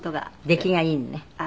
出来がいいのね。